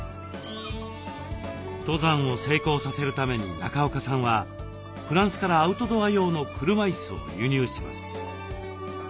登山を成功させるために中岡さんはフランスからアウトドア用の車いすを輸入します。